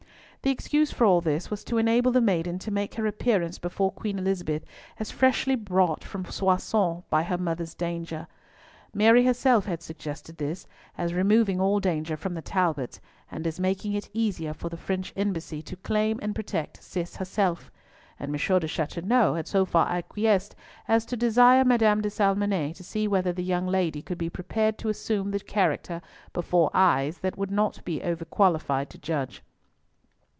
The excuse for all this was to enable the maiden to make her appearance before Queen Elizabeth as freshly brought from Soissons by her mother's danger. Mary herself had suggested this, as removing all danger from the Talbots, and as making it easier for the French Embassy to claim and protect Cis herself; and M. de Chateauneuf had so far acquiesced as to desire Madame de Salmonnet to see whether the young lady could be prepared to assume the character before eyes that would not be over qualified to judge.